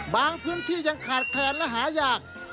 บางพื้นที่ยังขาดแคลนและหายาก